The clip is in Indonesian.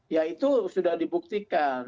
ya itu sudah dibuktikan